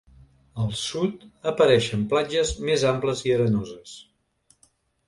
Al sud apareixen platges més amples i arenoses.